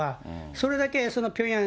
それだけそのピョンヤン